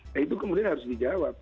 nah itu kemudian harus dijawab